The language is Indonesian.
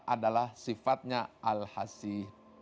adalah sifatnya al hasih